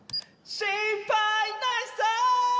心配ないさ！